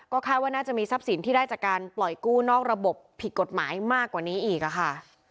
คาดว่าน่าจะมีทรัพย์สินที่ได้จากการปล่อยกู้นอกระบบผิดกฎหมายมากกว่านี้อีกค่ะ